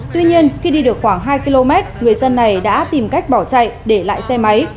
tuy nhiên khi đi được khoảng hai km người dân này đã tìm cách bỏ chạy để lại xe máy